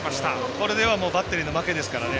これはバッテリーの負けですからね。